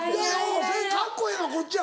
うんカッコええのこっちや。